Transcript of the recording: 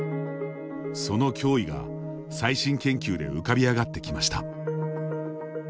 その脅威が最新研究で浮かび上がってきました。